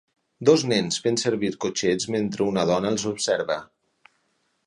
Dos nens fent servir cotxets mentre una dona els observa.